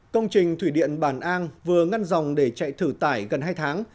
công trình thủy điện bản an vừa ngăn dòng để chạy thử tải gần hai tháng